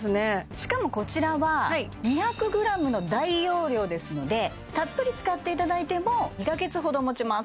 しかもこちらは２００ｇの大容量ですのでたっぷり使っていただいても２カ月ほど持ちます